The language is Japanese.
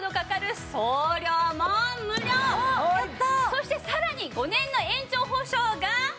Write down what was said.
そしてさらに５年の延長保証が。